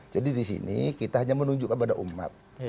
jadi di sini kita hanya menunjukkan pada umat